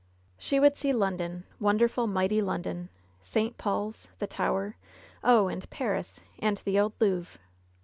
She would see London — ^wonderful, mighty London! — St. Paul's, the Tower. Oh! and Paris, and the old Louvre